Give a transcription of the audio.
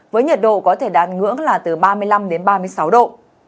với nhiệt độ có thể đạt ngưỡng là từ ba mươi năm đến ba mươi sáu độ